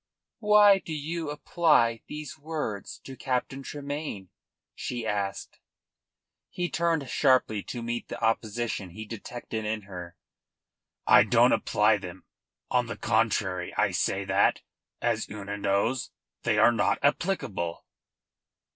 "Why do you apply these words to Captain Tremayne?" she asked. He turned sharply to meet the opposition he detected in her. "I don't apply them. On the contrary, I say that, as Una knows, they are not applicable."